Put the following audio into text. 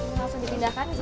langsung dipindahkan ke sini